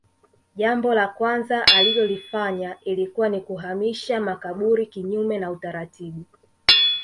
Jambo la kwanza alilolifanya ilikuwa ni kuhamisha makaburi kinyume na utaratibu